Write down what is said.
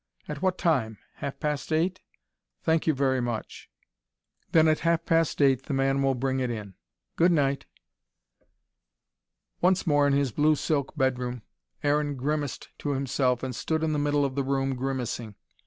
At what time? Half past eight?" "Thank you very much." "Then at half past eight the man will bring it in. Goodnight." Once more in his blue silk bedroom, Aaron grimaced to himself and stood in the middle of the room grimacing.